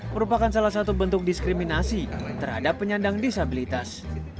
merupakan salah satu bentuk diskriminasi terhadap penyandang disabilitas